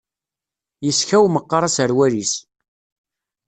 Yeskaw meqqar aserwal-is.